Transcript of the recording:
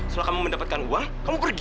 setelah kamu mendapatkan uang kamu pergi